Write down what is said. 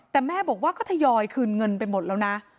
แต่แม่บอกว่าก็ทยอยคืนเงินไปหมดแล้วนะ